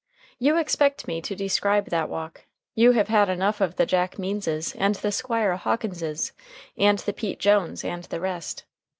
You expect me to describe that walk. You have had enough of the Jack Meanses and the Squire Hawkinses, and the Pete Joneses, and the rest.